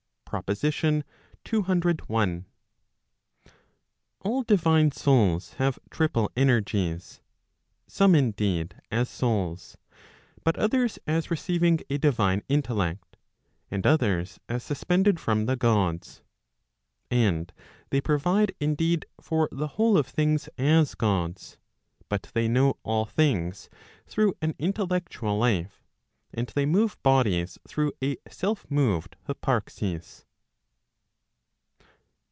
PROPOSITION CCI. All divine souls have triple energies; some indeed as souls; but others as receiving a divine intellect; and others as suspended from the Gods. And they provide indeed for the whole of things as Gods; but they know all things through an intellectual life; and they move bodies through a self moved hyparxis.